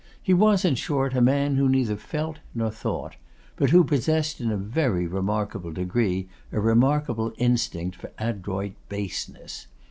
He was, in short, a man who neither felt nor thought; but who possessed, in a very remarkable degree, a restless instinct for adroit baseness.